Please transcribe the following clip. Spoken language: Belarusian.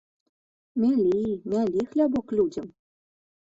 Мялі, мялі хлябок людзям!